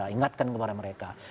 ingatkan kepada mereka